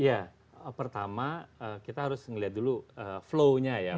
ya pertama kita harus melihat dulu flow nya ya